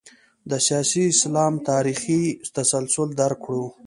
د سیاسي اسلام تاریخي تسلسل درک کړو.